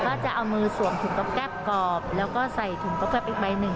ก็จะเอามือสวมถุงก๊อบแป๊บกรอบแล้วก็ใส่ถุงก๊อบแป๊บอีกใบหนึ่ง